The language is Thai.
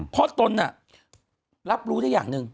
เพราะตนรับรู้ได้อย่างหนึ่ง